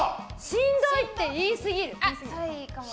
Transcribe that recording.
しんどいって言いすぎる。